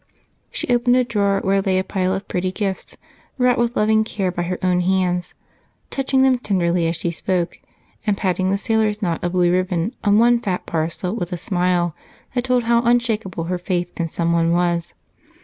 She opened a drawer where lay a pile of pretty gifts, wrought with loving care by her own hands, touching them tenderly as she spoke and patting the sailor's knot of blue ribbon on one fat parcel with a smile that told how unshakable her faith in someone was.